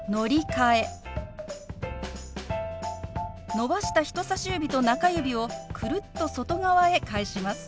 伸ばした人さし指と中指をくるっと外側へ返します。